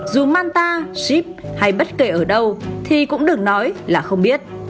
dù manta ship hay bất kể ở đâu thì cũng được nói là không biết